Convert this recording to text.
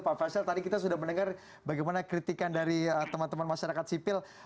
pak faisal tadi kita sudah mendengar bagaimana kritikan dari teman teman masyarakat sipil